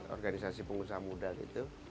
organisasi pengusaha muda gitu